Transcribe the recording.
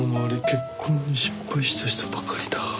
結婚に失敗した人ばかりだ。